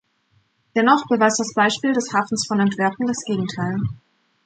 Dennoch beweist das Beispiel des Hafens von Antwerpen das Gegenteil.